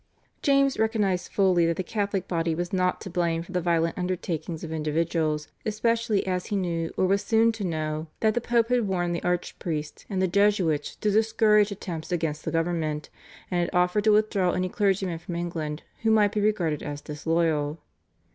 James recognised fully that the Catholic body was not to blame for the violent undertakings of individuals, especially as he knew or was soon to know that the Pope had warned the archpriest and the Jesuits to discourage attempts against the government, and had offered to withdraw any clergyman from England who might be regarded as disloyal.